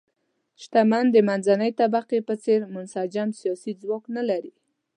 شتمن د منځنۍ طبقې په څېر منسجم سیاسي ځواک نه لري.